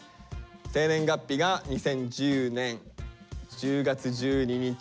生年月日が２０１０年１０月１２日。